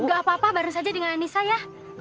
nggak apa apa bareng saja dengan anissa ya